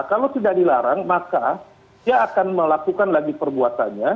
kalau tidak dilarang maka dia akan melakukan lagi perbuatannya